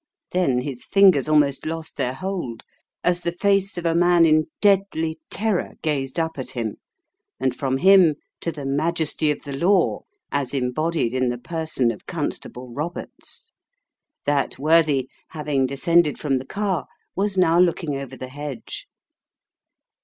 Then his fingers almost lost their hold, as the face of a man in deadly terror gazed up at him, and from him to the majesty of the law as embodied in the person of Constable Roberts. That worthy, having descended from the car, was now looking over the hedge.